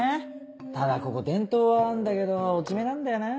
ただここ伝統はあんだけど落ち目なんだよな。